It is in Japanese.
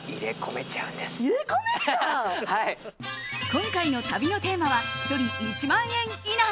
今回の旅のテーマは１人１万円以内！